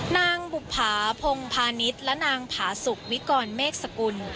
นางบุภาพงพาณิชย์และนางผาสุกวิกรเมฆสกุล